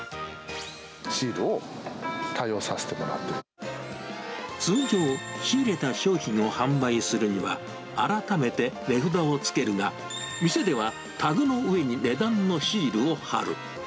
シールを多用させてもらって通常、仕入れた商品を販売するには、改めて値札をつけるが、店ではタグの上に値段のシールを貼る。